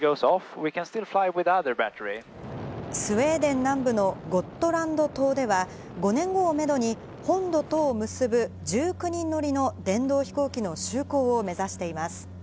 スウェーデン南部のゴットランド島では、５年後をメドに、本土とを結ぶ１９人乗りの電動飛行機の就航を目指しています。